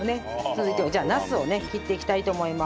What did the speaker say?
続いてはじゃあナスをね切っていきたいと思います。